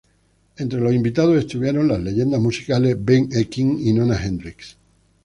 Entre los invitados estuvieron las leyendas musicales Ben E. King y Nona Hendrix.